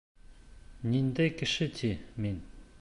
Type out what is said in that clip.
Ниндәй кеше ти мин!